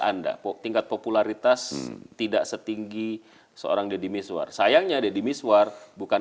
anda tingkat popularitas tidak setinggi seorang deddy miswar sayangnya deddy miswar bukan